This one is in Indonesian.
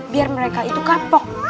biar mereka itu kapok